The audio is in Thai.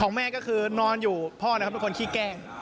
ของแม่ก็คือนอนอยู่พ่อเป็นคนขี้แกล้ง